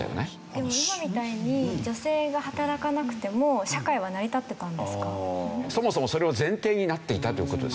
でも今みたいに女性が働かなくても社会は成り立ってたんですか？